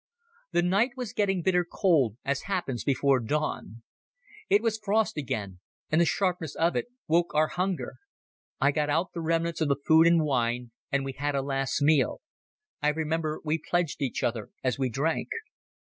The night was getting bitter cold, as happens before dawn. It was frost again, and the sharpness of it woke our hunger. I got out the remnants of the food and wine and we had a last meal. I remember we pledged each other as we drank.